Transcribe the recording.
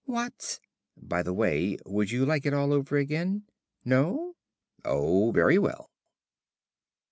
"What's " By the way, would you like it all over again? No? Oh, very well.